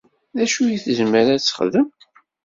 D acu i tezmer ad texdem?